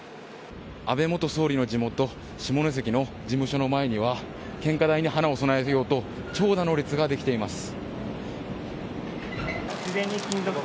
安倍元総理の地元、下関の事務所の前には献花台に花を供えようと長蛇の列ができています。